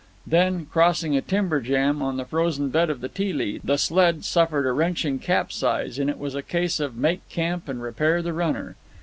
Then, crossing a timber jam on the frozen bed of the Teelee, the sled suffered a wrenching capsize, and it was a case of make camp and repair the runner.